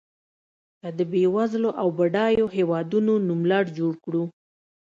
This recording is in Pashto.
که د بېوزلو او بډایو هېوادونو نوملړ جوړ کړو.